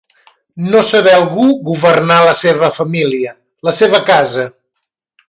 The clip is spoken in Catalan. No saber algú governar la seva família, la seva casa.